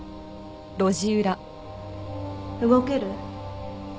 動ける？